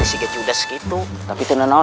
tapi sekarang saya sudah berada di tempat yang sama